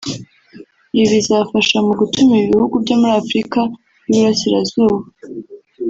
Ibi bizafasha mu gutuma ibi bihugu byo muri Afurika y’Uburasirazuba